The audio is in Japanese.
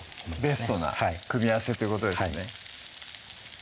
ベストな組み合わせってことですね